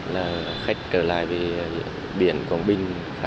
là khách trở lại biển quảng bình